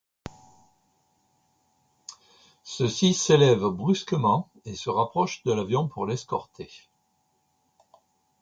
Ceux-ci s'élèvent brusquement et se rapprochent de l'avion pour l'escorter.